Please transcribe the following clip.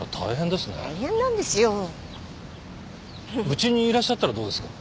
うちにいらっしゃったらどうですか？